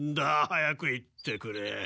早く行ってくれ。